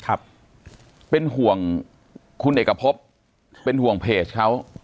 ครับเป็นห่วงคุณเอกพบเป็นห่วงเพจเขา